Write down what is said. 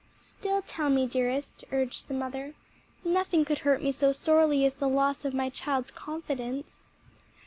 "Still tell me, dearest" urged the mother. "Nothing could hurt me so sorely as the loss of my child's confidence."